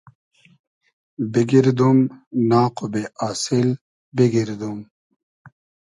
بیگیردوم ناق و بې آسیل بیگیردوم